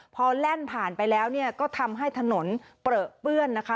พอแล่นผ่านไปแล้วก็ทำให้ถนนเปลือเปื้อนนะคะ